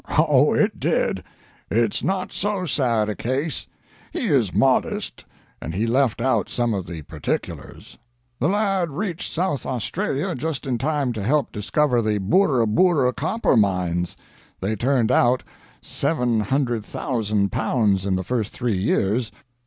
Oh, it did. It's not so sad a case. He is modest, and he left out some of the particulars. The lad reached South Australia just in time to help discover the Burra Burra copper mines. They turned out L700,000 in the first three years.